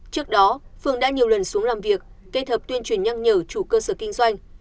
trước đó phương đã nhiều lần xuống làm việc kết hợp tuyên truyền nhắc nhở chủ cơ sở kinh doanh